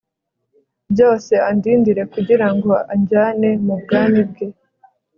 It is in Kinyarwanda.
byose andindire kugira ngo anjyane mu bwami bwe